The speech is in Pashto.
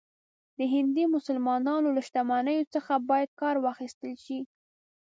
د هندي مسلمانانو له شتمنیو څخه باید کار واخیستل شي.